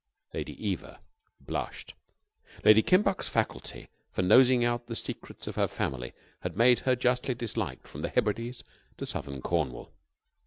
Lady Eva blushed. Lady Kimbuck's faculty for nosing out the secrets of her family had made her justly disliked from the Hebrides to Southern Cornwall.